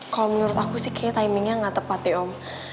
kalau menurut aku sih kayaknya timingnya nggak tepat ya om